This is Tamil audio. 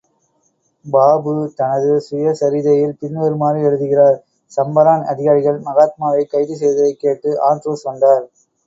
பாபு தனது சுயசரிதையில் பின்வருமாறு எழுதுகிறார் சம்பரான் அதிகாரிகள் மகாத்மாவைக் கைது செய்ததைக் கேட்டு ஆண்ட்ரூஸ் வந்தார்.